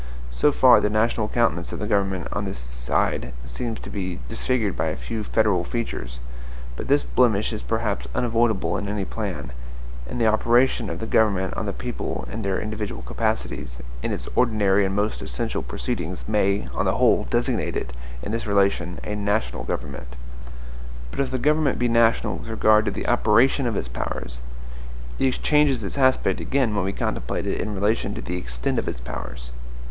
So far the national countenance of the government on this side seems to be disfigured by a few federal features. But this blemish is perhaps unavoidable in any plan; and the operation of the government on the people, in their individual capacities, in its ordinary and most essential proceedings, may, on the whole, designate it, in this relation, a NATIONAL government. But if the government be national with regard to the OPERATION of its powers, it changes its aspect again when we contemplate it in relation to the EXTENT of its powers.